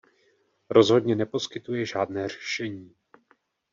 Rozhodně neposkytuje žádné řešení.